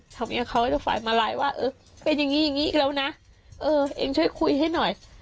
ทำให้เขาทุกฝ่ายมาไลน์ว่าเออเป็นอย่างงี้อย่างงี้อีกแล้วนะเออเองช่วยคุยให้หน่อย